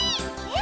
え？